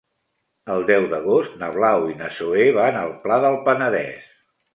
El deu d'agost na Blau i na Zoè van al Pla del Penedès.